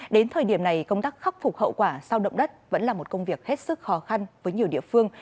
đến thời điểm này công tác khắc phục hậu quả sau động đất vẫn là một công việc hết sức khó khăn với nhiều địa phương